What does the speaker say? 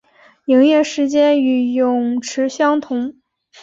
营业时间与泳池相同。